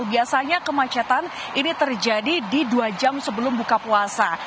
biasanya kemacetan ini terjadi di dua jam sebelum buka puasa